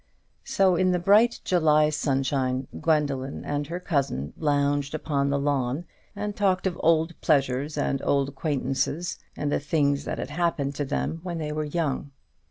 So, in the bright July sunshine, Gwendoline and her cousin lounged upon the lawn, and talked of old pleasures and old acquaintances, and the things that happened to them when they were young.